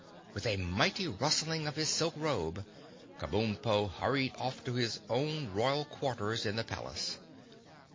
With a mighty rustling of his silk robe, Kabumpo hurried off to his own royal quarters in the palace.